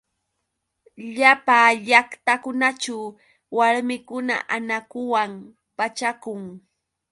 Llapa llaqtakunaćhu warmikuna anakuwan pachakun.